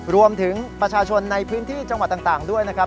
รวมถึงประชาชนในพื้นที่จังหวัดต่างด้วยนะครับ